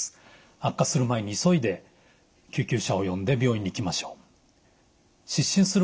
悪化する前に急いで救急車を呼んで病院に行きましょう。